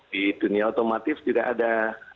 di dunia otomatis juga ada